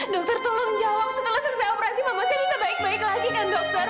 dokter tolong jawab setelah selesai operasi bagusnya bisa baik baik lagi kan dokter